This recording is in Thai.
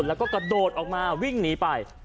แล้วก็กระโดดออกมาวิ่งหนีไป